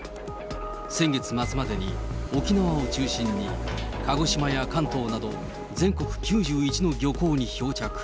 先月末までに沖縄を中心に、鹿児島や関東など、全国９１の漁港に漂着。